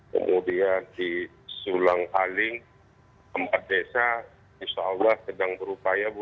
kemudian di sulang aling empat desa insya allah sedang berupaya bu